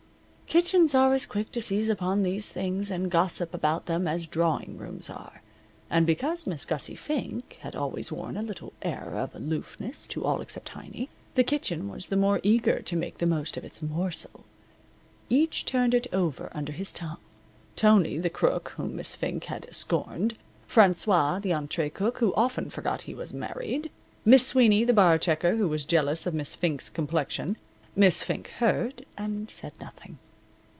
Kitchens are as quick to seize upon these things and gossip about them as drawing rooms are. And because Miss Gussie Fink had always worn a little air of aloofness to all except Heiny, the kitchen was the more eager to make the most of its morsel. Each turned it over under his tongue Tony, the Crook, whom Miss Fink had scorned; Francois, the entree cook, who often forgot he was married; Miss Sweeney, the bar checker, who was jealous of Miss Fink's complexion. Miss Fink heard, and said nothing.